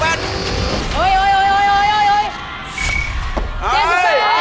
แพงกว่า